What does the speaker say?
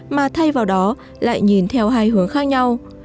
mà thay vào đó lại nhìn theo hai hướng khác nhau